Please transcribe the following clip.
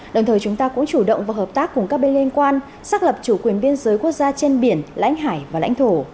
đồng thời chúng ta cũng chủ động và hợp tác cùng các bên liên quan xác lập chủ quyền biên giới quốc gia trên biển lãnh hải và lãnh thổ